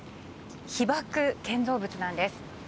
被爆建造物なんです。